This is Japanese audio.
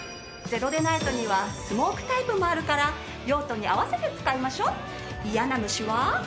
ゼロデナイトにはスモークタイプもあるから用途に合わせて使いましょ！